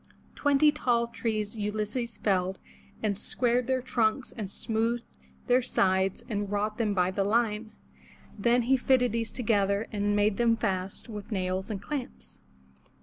Twenty tall trees Ulysses felled, and squared their trunks and smoothed their sides and wrought them by the line. Then he fitted these together and made them fast with nails and clamps.